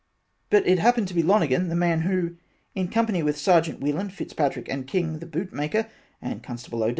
But it happened to be Lonigan the man who in company with Sergeant Whelan Fitzpatrick and King the Boot maker and constable O.